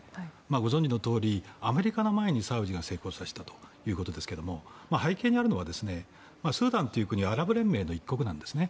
ご存じのとおりアメリカの前にサウジアラビアが成功させたということですが背景にあるのはスーダンという国はアラブ連盟の一国なんですね。